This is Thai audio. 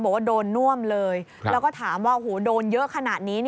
บอกว่าโดนน่วมเลยแล้วก็ถามว่าโดนเยอะขนาดนี้